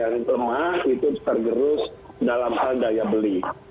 yang lemah itu tergerus dalam hal daya beli